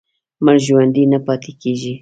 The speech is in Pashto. مړ ژوندی نه پاتې کېږي.